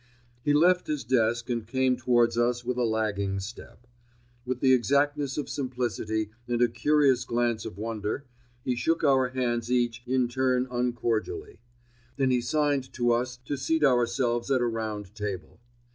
He left his desk and came towards us with a lagging step. With the exactness of simplicity and a curious glance of wonder, he shook our hands each in turn uncordially. Then he signed to us to seat ourselves at a round table.